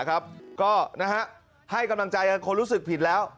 ก็ให้กำลังกันคนผิดแล้ว